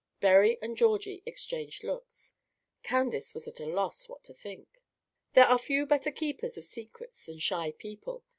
Berry and Georgie exchanged looks. Candace was at a loss what to think. There are few better keepers of secrets than shy people.